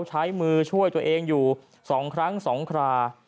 ใช้มือช่วยตัวเองอยู่๒ครั้ง๒ครา